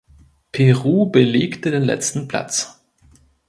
Peru belegte den letzten Platz.